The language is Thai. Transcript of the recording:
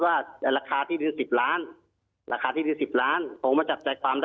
เพราะพ่อคืนสมองความจำตั้ง